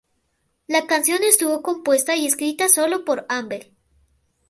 La canción estuvo compuesta y escrita sólo por Amber.